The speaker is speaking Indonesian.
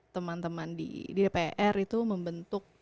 teman teman di dpr itu membentuk